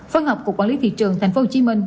phân học cục quản lý thị trường tp hcm